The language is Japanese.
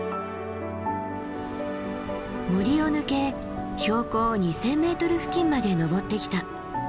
森を抜け標高２，０００ｍ付近まで登ってきた。